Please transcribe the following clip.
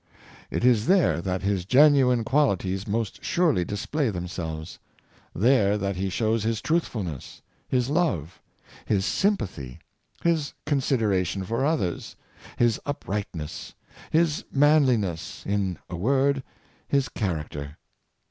It is there that his genuine quali ties most surely displa}' themselves — there that he shows his truthfulness, his love, his sympathy, his considera tion for others, his uprightness, his manliness — in a word, his character.